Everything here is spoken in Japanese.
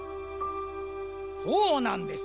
そうなんです。